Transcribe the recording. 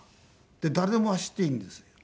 誰でも走っていいんですよ。